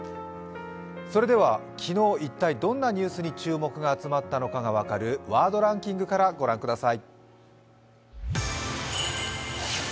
それでは昨日、一体どんなニュースに注目が集まったかが分かるワードランキングから御覧ください。